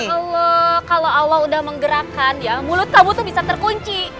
ya allah kalau allah udah menggerakkan ya mulut kamu tuh bisa terkunci